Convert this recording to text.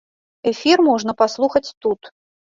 Эфір можна паслухаць тут.